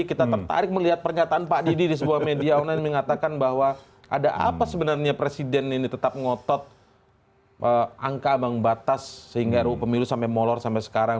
kita tertarik melihat pernyataan pak didi di sebuah media online mengatakan bahwa ada apa sebenarnya presiden ini tetap ngotot angka ambang batas sehingga ru pemilu sampai molor sampai sekarang